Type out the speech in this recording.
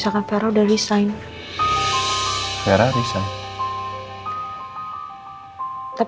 kepada kes barbecue misalnya